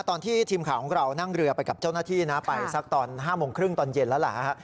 ตอนที่ทีมข่าวของเรานั่งเรือไปกับเจ้าหน้าที่นะไปสักตอน๕โมงครึ่งตอนเย็นแล้วล่ะฮะ